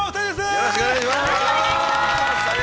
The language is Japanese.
よろしくお願いします。